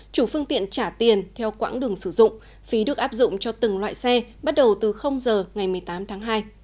chủ phương tiện trả tiền theo quãng đường sử dụng phí được áp dụng cho từng loại xe bắt đầu từ giờ ngày một mươi tám tháng hai